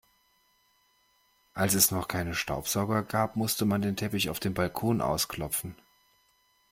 Als es noch keine Staubsauger gab, musste man den Teppich auf dem Balkon ausklopfen.